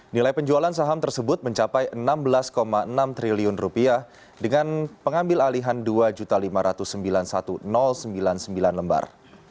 nilai penjualan saham tersebut mencapai rp enam belas enam triliun dengan pengambil alihan rp dua lima ratus sembilan puluh satu sembilan puluh sembilan lembar